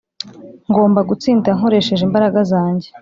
Ngomba gutsinda nkoresheje imbaraga zanjye